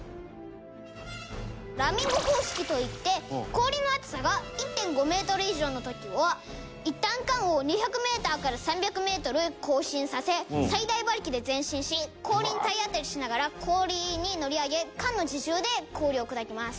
「ラミング方式といって氷の厚さが１．５メートル以上の時はいったん艦を２００メーターから３００メートル後進させ最大馬力で前進し氷に体当たりしながら氷に乗り上げ艦の自重で氷を砕きます」